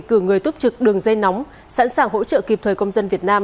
cử người túc trực đường dây nóng sẵn sàng hỗ trợ kịp thời công dân việt nam